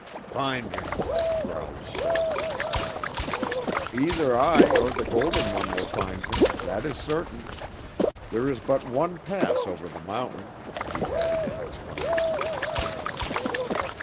"Find him," growled Stubbs. "Either I or the Golden One will find him, that is certain. There is but one pass over the mountain," he added in explanation.